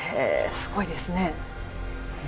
すごいですね。